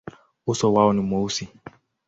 Uso wao ni mweusi.